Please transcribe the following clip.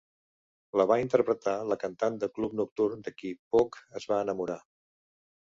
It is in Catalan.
La va interpretar la cantant de club nocturn de qui Pooch es va enamorar.